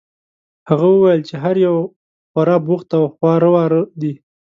هغه وویل چې هر یو خورا بوخت او خواره واره دي.